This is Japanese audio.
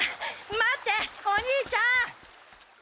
待っておにいちゃん！